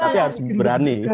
tapi harus berani